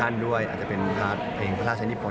อาจจะเป็นบาลเขียนประตูลาชนิฟฟอร์น